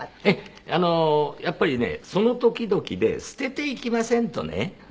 ええあのやっぱりねその時々で捨てていきませんとね